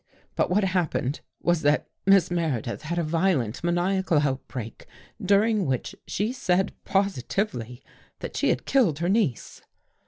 " But what happened was that Miss Meredith had a violent maniacal outbreak, during which she said positively that she had killed her niece."